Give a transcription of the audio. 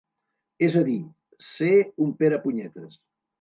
És a dir, ser un perepunyetes.